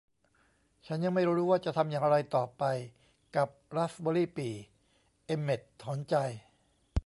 ฉันยังไม่รู้ว่าจะทำอย่างไรต่อไปกับราสเบอร์รี่ปี่เอ็มเม็ตต์ถอนหายใจ